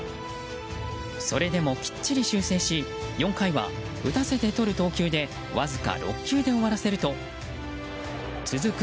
それでもきっちり修正し４回は打たせてとる投球でわずか６球で終わらせると続く